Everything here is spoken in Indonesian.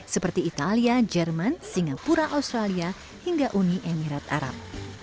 seperti italia jerman singapura australia hingga uni emirat arab